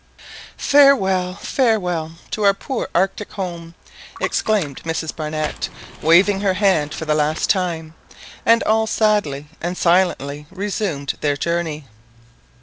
"Farewell, farewell, to our poor Arctic home!" exclaimed Mrs. Barnett, waving her hand for the last time; and all sadly and silently resumed their journey.